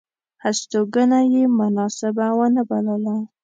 هستوګنه یې مناسبه ونه بلله.